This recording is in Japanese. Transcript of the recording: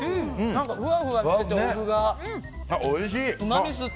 ふわふわしてて、お麩が。